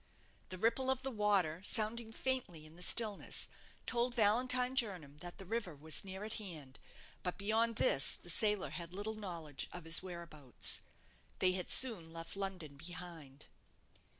The ripple of the water, sounding faintly in the stillness, told Valentine Jernam that the river was near at hand; but beyond this the sailor had little knowledge of his whereabouts. They had soon left London behind.